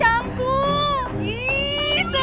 eh pak rete